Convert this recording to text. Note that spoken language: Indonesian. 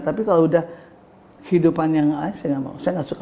tapi kalau udah hidupannya gak lain saya gak mau saya gak suka